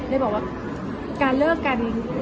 เลยบอกว่าการเลิกกัน